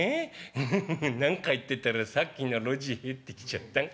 フフフフ何か言ってたらさっきの路地入ってきちゃった。